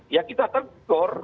ya kita tergur